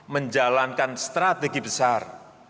menjalankan strategi besar